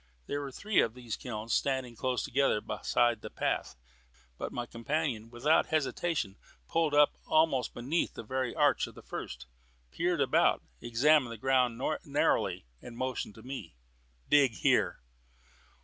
There were three of these kilns standing close together beside the path; but my companion without hesitation pulled up almost beneath the very arch of the first, peered about, examined the ground narrowly, and then motioned to me. "Dig here."